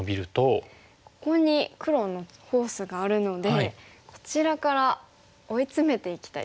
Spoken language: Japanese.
ここに黒のフォースがあるのでこちらから追い詰めていきたいですね。